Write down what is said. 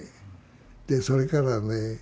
でそれからね